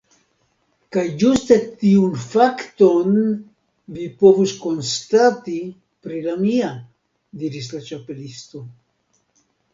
"Kaj ĝuste tiun fakton vi povus konstati pri la mia," diris la Ĉapelisto.